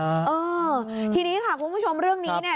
เออทีนี้ค่ะคุณผู้ชมเรื่องนี้เนี่ย